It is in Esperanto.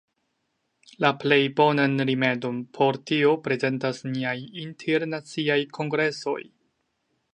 La plej bonan rimedon por tio prezentas niaj internaciaj kongresoj.